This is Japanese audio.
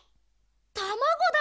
たまごだ！